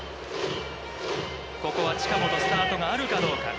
ここは近本スタートがあるかどうか。